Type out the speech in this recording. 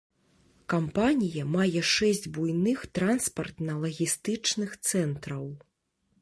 Кампанія мае шэсць буйных транспартна-лагістычных цэнтраў.